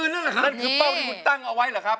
นั่นคือเป้าที่คุณตั้งเอาไว้หรือครับ